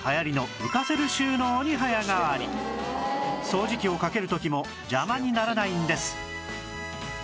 掃除機をかける時も邪魔にならないんです